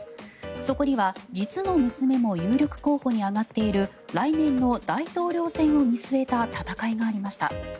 そこには実の娘も有力候補に挙がっている来年の大統領選を見据えた戦いがありました。